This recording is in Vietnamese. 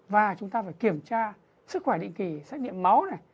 và chúng ta phải kiểm tra sức khỏe định kỳ xét nghiệm máu này